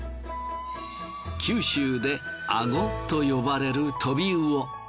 九州であごと呼ばれるトビウオ。